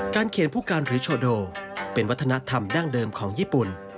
เขียนผู้การหรือโชโดเป็นวัฒนธรรมดั้งเดิมของญี่ปุ่น